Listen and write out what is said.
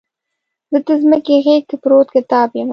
زه دمځکې غیږ کې پروت کتاب یمه